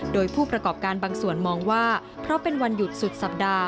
โดยผู้ประกอบการบางส่วนมองว่าเพราะเป็นวันหยุดสุดสัปดาห์